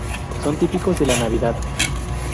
Son típicos de la Navidad.